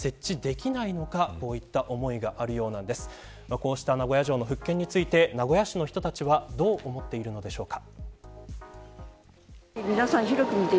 こうした名古屋城の再建について名古屋市の人たちはどう思っているのでしょうか。